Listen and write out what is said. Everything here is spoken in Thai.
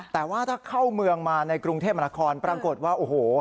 แต่ว่าถ้าเข้าเมืองมาในกรุงเทพมนาคอนปรากฏว่าโอ้โห